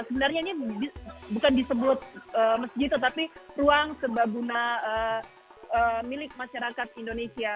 sebenarnya ini bukan disebut masjid tetapi ruang serbaguna milik masyarakat indonesia